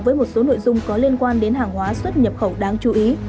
với một số nội dung có liên quan đến hàng hóa xuất nhập khẩu đáng chú ý